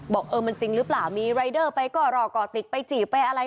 บอกเออมันจริงหรือเปล่ามีรายเดอร์ไปก่อรอก่อติดไปจีบไปอะไร